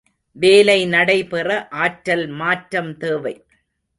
வேலை நடைபெற ஆற்றல் மாற்றம் தேவை.